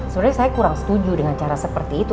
sebenarnya saya kurang setuju dengan cara seperti itu